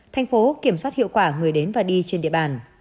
tp kiểm soát hiệu quả người đến và đi trên địa bàn